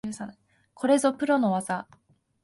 これぞプロの技